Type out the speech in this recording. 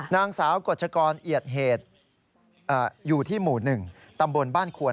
นางสาวกฎชกรเอียดเหตุอยู่ที่หมู่๑ตำบลบ้านควน